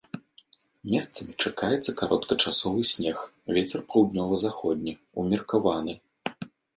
Месцамі чакаецца кароткачасовы снег, вецер паўднёва-заходні, умеркаваны.